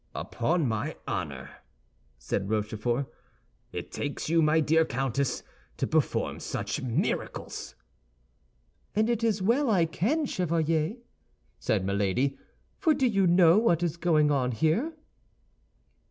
"Upon my honor," said Rochefort, "it takes you, my dear countess, to perform such miracles!" "And it is well I can, Chevalier," said Milady, "for do you know what is going on here?"